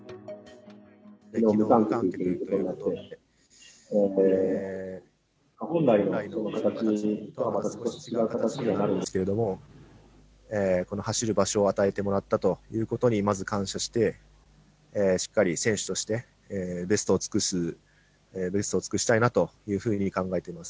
きのう、無観客ということになって、本来の形とはまた少し違う形にはなるんですけれども、この走る場所を与えてもらったということにまず感謝して、しっかり選手としてベストを尽くす、ベストを尽くしたいなというふうに考えております。